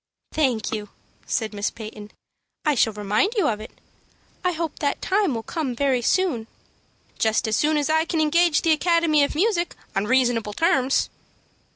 "Thank you," said Miss Peyton. "I shall remind you of it. I hope that time will come very soon." "Just as soon as I can engage the Academy of Music on reasonable terms."